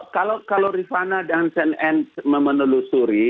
kalau rifana dan cnn menelusuri